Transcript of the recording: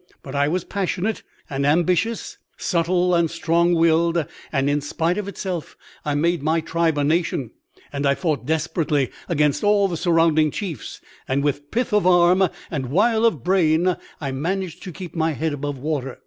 But I was passionate and ambitious, subtle and strong willed, and, in spite of itself, I made my tribe a nation; and I fought desperately against all the surrounding chiefs, and with pith of arm and wile of brain I managed to keep my head above water.